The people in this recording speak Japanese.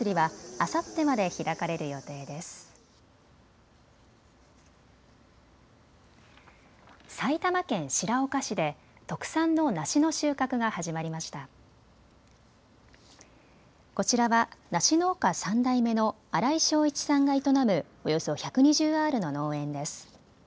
こちらは梨農家３代目の荒井庄一さんが営むおよそ１２０アールの農園です。